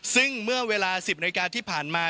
ซึ่งเมื่อเวลา๑๐นาฬิกาที่ผ่านมา